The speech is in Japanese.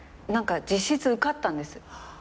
実質受かったんです。